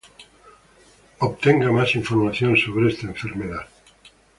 Obtenga más información sobre esta enfermedad